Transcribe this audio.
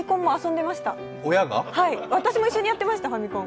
私も一緒に遊んでましたファミコン。